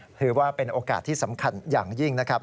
ถือว่าเป็นโอกาสที่สำคัญอย่างยิ่งนะครับ